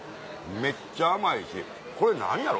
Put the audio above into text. めっちゃ甘いしこれ何やろ？